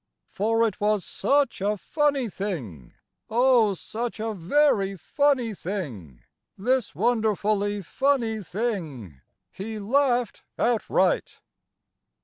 For it was such a funny thing, O, such a very funny thing, This wonderfully funny thing, He Laughed Outright.